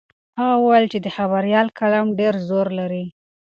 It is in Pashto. هغه وویل چې د خبریال قلم ډېر زور لري.